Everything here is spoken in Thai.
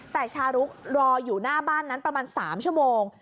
แต่ชารุกรออยู่หน้าบ้านนั้นประมาณ๓ชั่วโมง